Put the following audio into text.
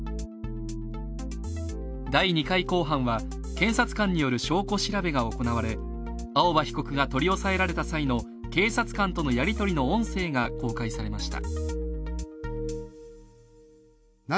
第２回公判は検察官による証拠調べが行われ、青葉被告が取り押さえられた際の警察官とのやり取りの音声が公開されました。